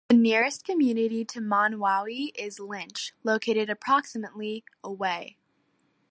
The nearest community to Monowi is Lynch, located approximately away.